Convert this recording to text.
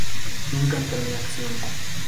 Nunca entró en acción.